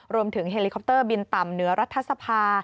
เฮลิคอปเตอร์บินต่ำเหนือรัฐสภา